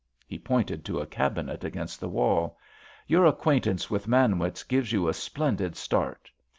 He pointed to a cabinet against the wall. "Your acquaintance with Manwitz gives you a splendid start.